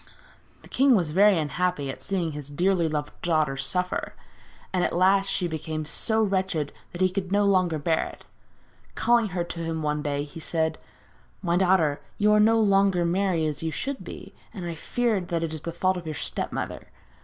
The king was very unhappy at seeing his dearly loved daughter suffer, and at last she became so wretched that he could no longer bear it. Calling her to him one day he said: 'My daughter, you are no longer merry as you should be, and I fear that it is the fault of your step mother.